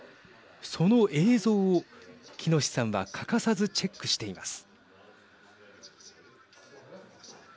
その映像を喜熨斗さんは欠かさずチェックしています。